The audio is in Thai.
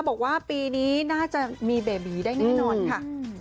บอกว่าปีนี้น่าจะมีเบบีได้แน่นอนค่ะ